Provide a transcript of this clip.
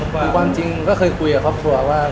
คตี่ว่าภาพจริงเคยคุยกับครอบครัวว่า